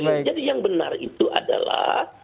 jadi yang benar itu adalah